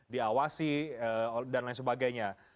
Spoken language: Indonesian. diawasi dan lain sebagainya